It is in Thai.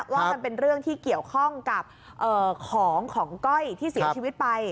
ว่ามันเป็นเรื่องที่เกี่ยวข้องกับของของก้อยที่เสียชีวิตไป